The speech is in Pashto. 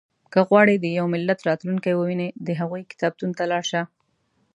• که غواړې د یو ملت راتلونکی ووینې، د هغوی کتابتون ته لاړ شه.